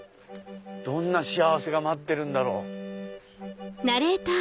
どんな幸せが待ってるんだろう？